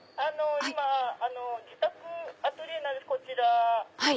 今自宅アトリエなんですこちら。